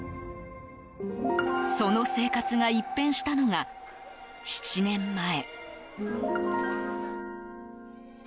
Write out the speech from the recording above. その生活が一変したのが７年前。